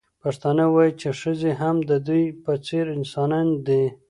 پښتانه وايي چې ښځې هم د دوی په څېر انسانان دي.